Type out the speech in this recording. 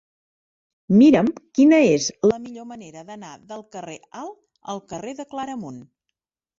Mira'm quina és la millor manera d'anar del carrer Alt al carrer de Claramunt.